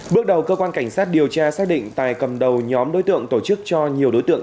bước đầu cơ quan cảnh sát điều tra xác định tài cầm đầu nhóm đối tượng tổ chức cho nhiều đối tượng